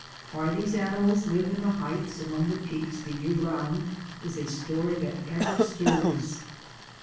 Why these animals live in the heights among the peaks the year round is a story that ever stirs.